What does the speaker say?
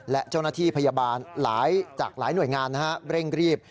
และเจ้าหน้าที่พยาบาลจากหลายหน่วยงานเร่งรีบ